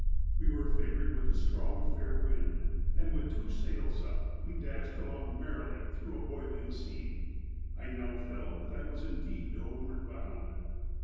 "We were favoured with a strong, fair wind, and, with two sails up, we dashed along merrily through a boiling sea. I now felt that I was indeed homeward bound.